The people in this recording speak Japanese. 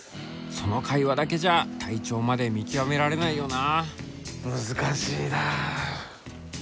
その会話だけじゃ体調まで見極められないよな。